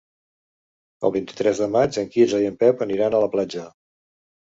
El vint-i-tres de maig en Quirze i en Pep aniran a la platja.